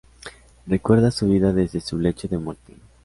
Recuerda su vida desde su lecho de muerte.